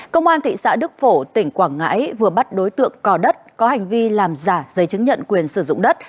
công an thị xã đức phổ tỉnh quảng ngãi vừa bắt đối tượng cò đất có hành vi làm giả giấy chứng nhận quyền sử dụng đất